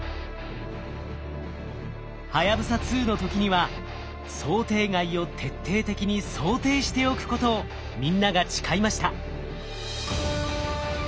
はやぶさ２の時には想定外を徹底的に想定しておくことをみんなが誓いました。